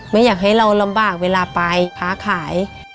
ไม่อยากให้เราลำบากเวลาไปค้าขาย